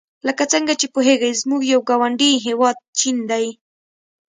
لکه څنګه چې پوهیږئ زموږ یو ګاونډي هېواد چین دی.